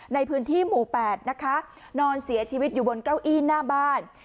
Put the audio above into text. ในพื้นที่หมู่๘นะคะนอนเสียชีวิตอยู่บนเก้าอี้หน้าบ้าน